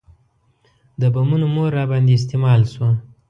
د بمونو مور راباندې استعمال شوه.